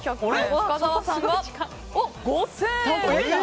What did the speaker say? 深澤さんが５０００円。